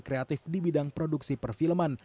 kreatif di bidang produksi perfilman